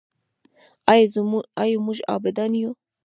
آیا موږ عابدان یو؟